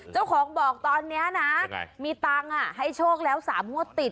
เจ้าของบอกตอนเนี้ยนะยังไงมีตังค์อ่ะให้โชคแล้วสามหัวติด